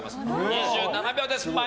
２７秒です。